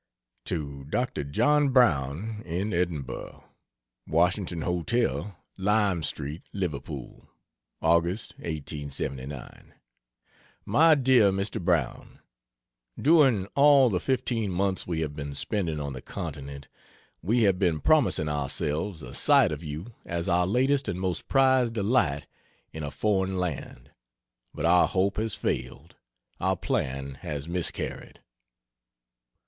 To Dr. John Brown, in Edinburgh: WASHINGTON HOTEL, LIME STREET, LIVERPOOL. Aug. (1879) MY DEAR MR. BROWN, During all the 15 months we have been spending on the continent, we have been promising ourselves a sight of you as our latest and most prized delight in a foreign land but our hope has failed, our plan has miscarried.